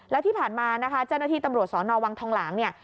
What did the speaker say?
และที่ผ่านมาเจ้าหน้าที่ตำรวจสนวังทองหลัง